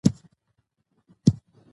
د واک ناوړه استعمال زوال ته لاره هواروي